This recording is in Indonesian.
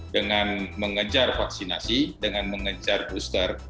dengan mengejar vaksinasi dengan mengejar booster